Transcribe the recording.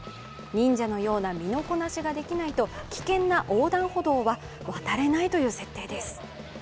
忍者のような身のこなしができないと危険な横断歩道は渡れないという設定です。